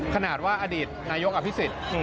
ขนาดว่าอดีตนายกอภิษฎ